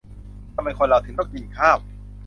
ทำไมคนเราถึงต้องกินข้าว